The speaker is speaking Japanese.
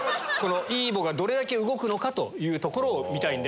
ＥＢＯがどれだけ動くのかというところを見たいんで。